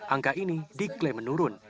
angka ini diklaim menurun